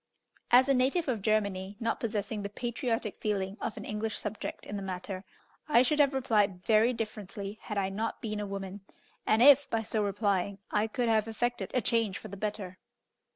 As a native of Germany, not possessing the patriotic feeling of an English subject in the matter, I should have replied very differently had I not been a women, and if, by so replying, I could have effected a change for the better.